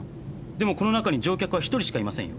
でもこの中に乗客はひとりしかいませんよ。